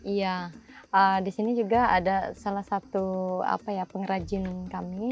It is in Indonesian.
iya di sini juga ada salah satu pengrajin kami